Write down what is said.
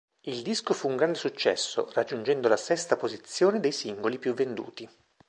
Il disco fu un grande successo, raggiungendo la sesta posizione dei singoli più venduti..